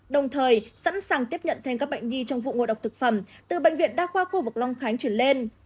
đồng thời sẵn sàng tiếp nhận thêm các bệnh nhi trong vụ ngộ độc thực phẩm từ bệnh viện đa khoa khu vực long khánh chuyển lên